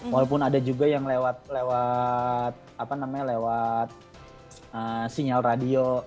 walaupun ada juga yang lewat sinyal radio